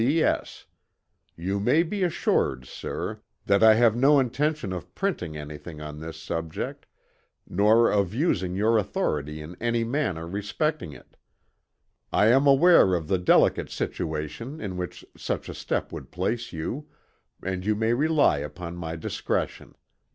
"P.S. You may be assured, Sir, that I have no intention of printing anything on this subject, nor of using your authority in any manner respecting it. I am aware of the delicate situation in which such a step would place you, and you may rely upon my discretion.